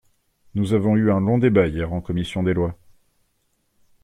Nous avons eu un long débat hier en commission des lois.